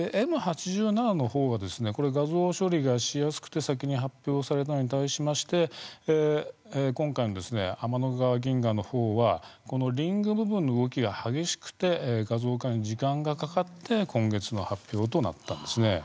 Ｍ８７のほうが画像処理がしやすくて先に発表されたのに対しまして今回の天の川銀河のほうはリング部分の動きが激しくて画像化に時間がかかって今月の発表となったんです。